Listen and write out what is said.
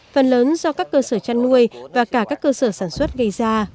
phần lớn do các cơ sở chăn nuôi và cả các cơ sở sản xuất gây ra